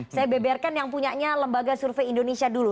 saya beberkan yang punyanya lembaga survei indonesia dulu